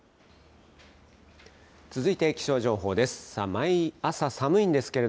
続いて、気象情報です。